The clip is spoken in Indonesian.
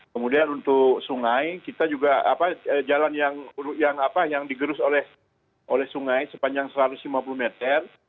kemudian untuk sungai kita juga jalan yang digerus oleh sungai sepanjang satu ratus lima puluh meter